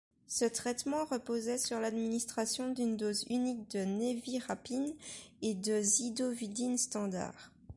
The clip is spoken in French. Ce traitement reposait sur l’administration d’une dose unique de névirapine et de zidovudine standard.